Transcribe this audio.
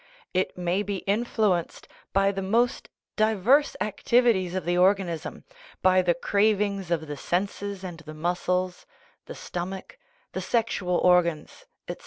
It may be influenced by the most diverse activities of the organism, by the cravings of the senses and the muscles, the stomach, the sexual organs, etc.